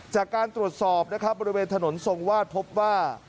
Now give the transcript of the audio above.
จากการตรวจสอบนะครับบริเวณถนนทรงวาดพบว่า